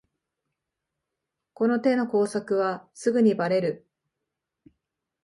この手の工作はすぐにバレる